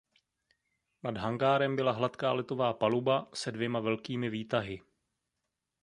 Nad hangárem byla hladká letová paluba se dvěma velkými výtahy.